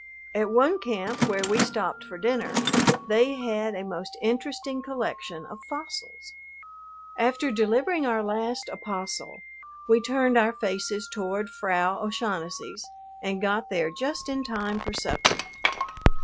At one camp, where we stopped for dinner, they had a most interesting collection of fossils. After delivering our last "apostle," we turned our faces toward Frau O'Shaughnessy's, and got there just in time for supper.